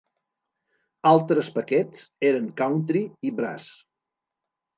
Altres paquets eren "Country" i "Brass".